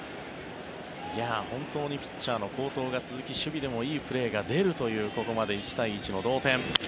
本当にピッチャーの好投が続き守備でもいいプレーが出るというここまで１対１、同点。